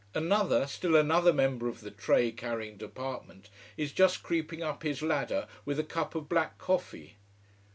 Another, still another member of the tray carrying department is just creeping up his ladder with a cup of black coffee.